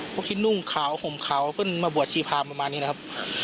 พวกที่นุ่งขาวห่มขาวขึ้นมาบวชชีพรามประมาณนี้นะครับ